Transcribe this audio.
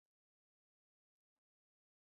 Mnyama mwenye kimeta hupata homa kali